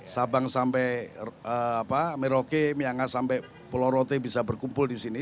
sabang sampai merauke myanga sampai pulau rote bisa berkumpul disini